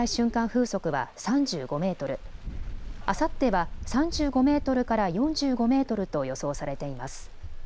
風速は３５メートル、あさっては３５メートルから４５メートルと予想されています。